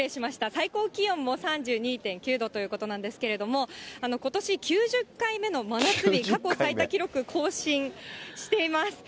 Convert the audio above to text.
最高気温も３２．９度ということなんですけれども、ことし９０回目の真夏日、過去最多記録更新しています。